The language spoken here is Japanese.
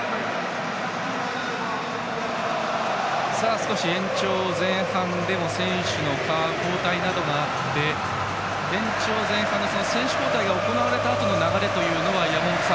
少し延長前半での選手の交代などがあって延長前半で選手交代が行われたあとの流れというのは山本さん